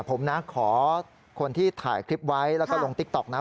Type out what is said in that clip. ผมนะขอคนที่ถ่ายคลิปไว้แล้วก็ลงติ๊กต๊อกนะ